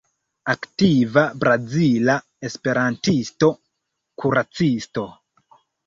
Aktiva brazila esperantisto, kuracisto.